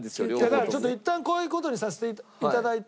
だからいったんこういう事にさせて頂いて。